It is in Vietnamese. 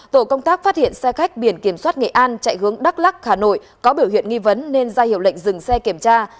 tổ công tác phát hiện xe khách biển kiểm soát nghệ an chạy hướng đắk lắc hà nội có biểu hiện nghi vấn nên ra hiệu lệnh dừng xe kiểm tra